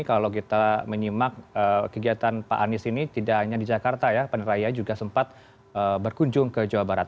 kalau kita menyimak kegiatan pak anies ini tidak hanya di jakarta ya panen raya juga sempat berkunjung ke jawa barat